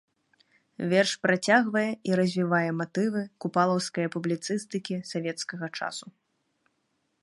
Верш працягвае і развівае матывы купалаўскае публіцыстыкі савецкага часу.